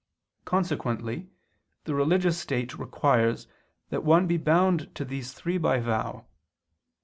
Consequently the religious state requires that one be bound to these three by vow.